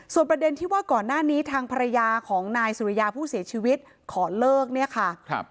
ประเด็นที่ว่าก่อนหน้านี้ทางภรรยาของนายสุริยาผู้เสียชีวิตขอเลิกเนี่ยค่ะ